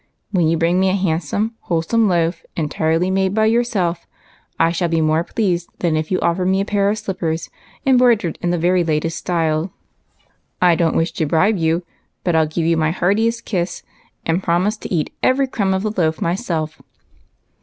When you bring me a handsome, wholesome loaf, entirely made by your self, I shall be more pleased than if you offered me a pair of slippers embroidered in the very latest style. I don't wish to bribe you, but I '11 give you my hearti est kiss, and promise to eat every crumb of the loaf myself."